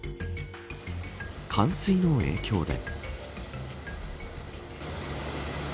冠水の影響で。